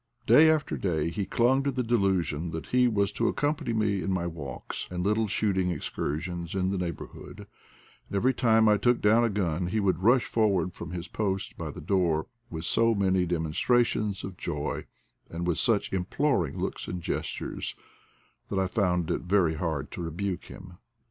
Day after day he clung to the delusion that he was to accompany me in my walks and little shooting excursions in the neighborhood ; and every time I took down a gun he would rush forward from his post by the door with so many demonstrations of joy, and with such imploring looks and gestures, that I found it very hard to rebuke him.